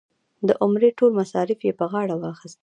د عمرې ټول مصارف یې په غاړه واخیستل.